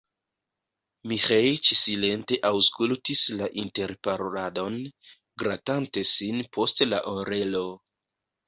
Miĥeiĉ silente aŭskultis la interparoladon, gratante sin post la orelo.